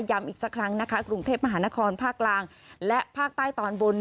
อีกสักครั้งนะคะกรุงเทพมหานครภาคกลางและภาคใต้ตอนบน